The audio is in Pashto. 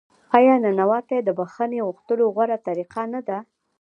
آیا نانواتې د بخښنې غوښتلو غوره طریقه نه ده؟